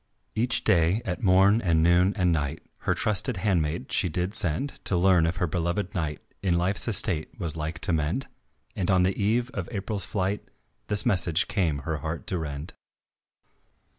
Each day at morn and noon and night Her trusted handmaid she did send To learn if her belovèd knight In life's estate was like to mend, And on the eve of April's flight This message came her heart to rend.